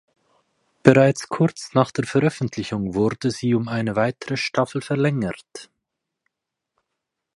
Bereits kurz nach der Veröffentlichung wurde sie um eine weitere Staffel verlängert.